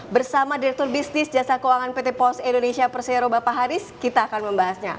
bersama direktur bisnis jasa keuangan pt pos indonesia persero bapak haris kita akan membahasnya